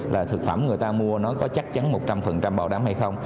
là thực phẩm người ta mua nó có chắc chắn một trăm linh bảo đảm hay không